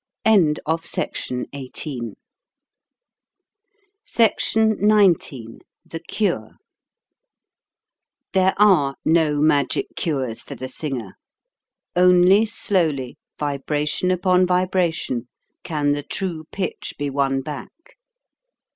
SECTION XIX THE CURE THERE are no magic cures for the singer. Only slowly, vibration upon vibration, can the true pitch be won back.